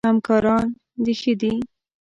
همکاران د ښه دي؟